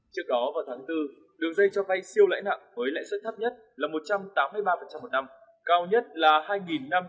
trước đó vào tháng bốn đường dây cho vay siêu lãi nặng với lãi suất thấp nhất là một trăm tám mươi ba một năm